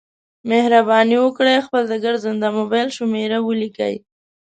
مهرباني وکړئ خپل د ګرځنده مبایل شمېره ولیکئ